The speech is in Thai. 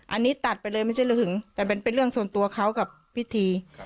อันนี้ตัดไปเลยไม่ใช่เรื่องหึงแต่เป็นเรื่องส่วนตัวเขากับพิธี